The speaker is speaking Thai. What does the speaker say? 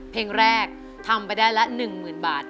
เพลงแรกทำไปได้ละ๑๐๐๐บาท